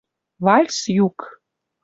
Вальс юк